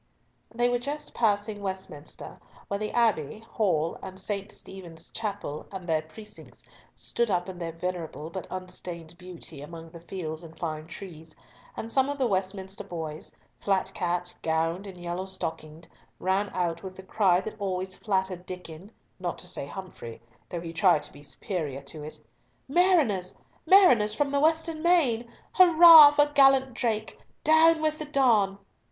They were just passing Westminster where the Abbey, Hall, and St. Stephen's Chapel, and their precincts, stood up in their venerable but unstained beauty among the fields and fine trees, and some of the Westminster boys, flat capped, gowned, and yellow stockinged, ran out with the cry that always flattered Diccon, not to say Humfrey, though he tried to be superior to it, "Mariners! mariners from the Western Main! Hurrah for gallant Drake! Down with the Don!"